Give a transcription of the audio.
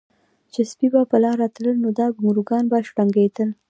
چې سپي به پۀ لاره تلل نو دا ګونګروګان به شړنګېدل